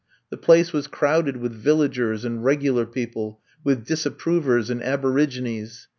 The place was crowded with Villagers, and regular people, with Disapprovers and Aborigines.